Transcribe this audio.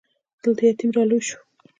دلته يتيم را لوی شو.